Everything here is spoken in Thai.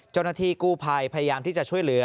เจ้าหน้าที่กู้ภัยพยายามที่จะช่วยเหลือ